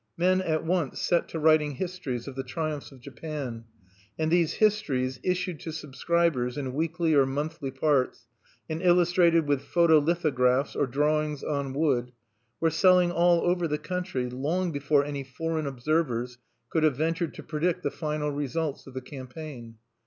Men at once set to writing histories of the triumphs of Japan, and these histories issued to subscribers in weekly or monthly parts, and illustrated with photo lithographs or drawings on wood were selling all over the country long before any foreign observers could have ventured to predict the final results of the campaign.